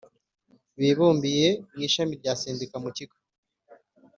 bibumbiye mu ishami rya Sendika mu kigo